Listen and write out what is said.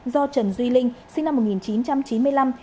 do trần duy linh sinh năm một nghìn chín trăm chín mươi năm